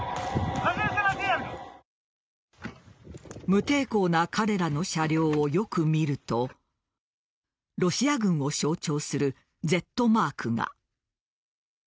無抵抗な彼らの車両をよく見るとロシア軍を象徴するＺマークが。